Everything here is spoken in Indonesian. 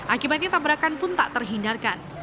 akibatnya tabrakan pun tak terhindarkan